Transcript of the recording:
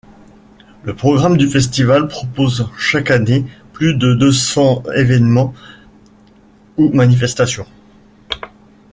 Le programme du festival propose chaque année plus de deux cents évènements ou manifestations.